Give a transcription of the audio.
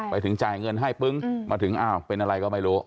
ไปถึงจ่ายเงินให้ปึ้งมาถึงอ้าวเป็นอะไรก็ไม่รู้